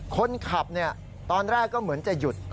คนขับตอนแรกก็เหมือนจะหยุด